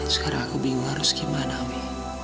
sekarang aku bingung harus gimana wi